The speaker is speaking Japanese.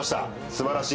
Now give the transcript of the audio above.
素晴らしい。